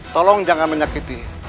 tolong jangan menyakiti